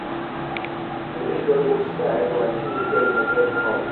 A little girl looks sad while she is getting her hair combed.